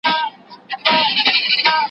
لومړۍ نکته.